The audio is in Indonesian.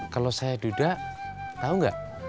kalau saya duda tau gak